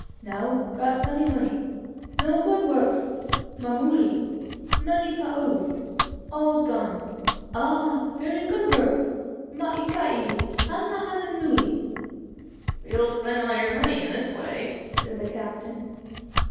Now, got plenty money; no good, work. Mamule, money pau all gone. Ah! very good, work! maikai, hana hana nui!" "But you'll spend all your money in this way," said the captain.